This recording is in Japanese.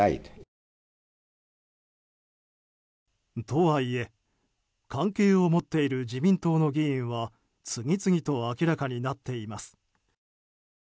とはいえ、関係を持っている自民党の議員は次々と明らかになっています。